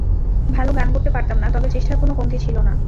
ভালো গান করতে পারতাম না, তবে চেষ্টার কোনো কমতি ছিল না।